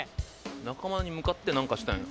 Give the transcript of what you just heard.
仲間に向かってなんかしたんや。